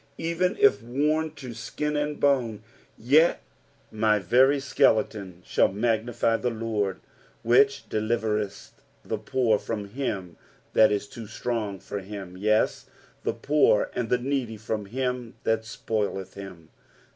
Even if worn tu skin and bone, yet my very skeleton shall minify the Lord, " uAieA delivereit the poor from him that it too strong for him, yea, the poor and ike Tteedy from him that tpoiieth him."